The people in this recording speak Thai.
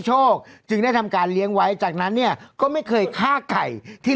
จึงได้ทำการเลี้ยงไว้จากนั้นเนี่ยก็ไม่เคยฆ่าไก่ที่